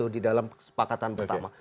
di dalam kesepakatan pertama